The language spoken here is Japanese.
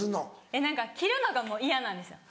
えっ何か切るのがもう嫌なんですよ。